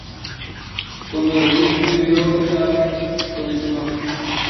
Cuando regresan media hora tarde, Tom se enoja.